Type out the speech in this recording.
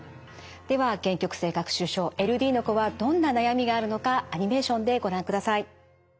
では限局性学習症ＬＤの子はどんな悩みがあるのかアニメーションでご覧ください。